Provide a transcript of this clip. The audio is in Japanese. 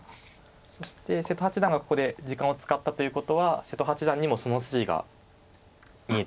そして瀬戸八段がここで時間を使ったということは瀬戸八段にもその筋が見えているということでしょう。